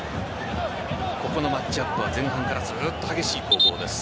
このマッチアップは前半からずっと激しい攻防です。